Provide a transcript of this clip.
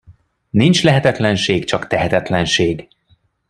Nincs lehetetlenség, csak tehetetlenség.